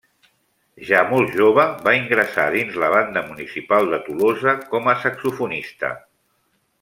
Ja molt jove va ingressar dins la banda municipal de Tolosa com a saxofonista.